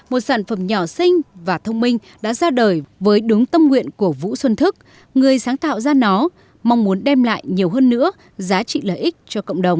một sản phẩm nhỏ sinh và thông minh đã ra đời với đúng tâm nguyện của vũ xuân thức người sáng tạo ra nó mong muốn đem lại nhiều hơn nữa giá trị lợi ích cho cộng đồng